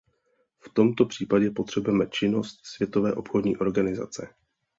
V tomto případě potřebujeme činnost Světové obchodní organizace.